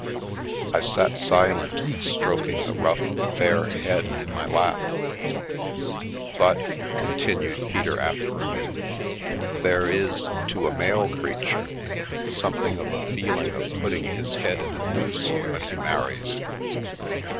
I sat silent, stroking the rough, fair head in my lap. "But" — continued Peter after a minute, " there is — to a male creature — something of a feeling of putting his head in a noose when he marries.